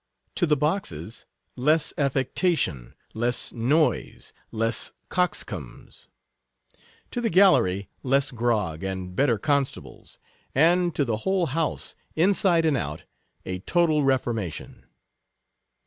To the boxes — less affectation, less noise, less coxcombs. To the gallery — less grog, and better con stables ;— and, To the whole house, inside and out, a to tal reformation.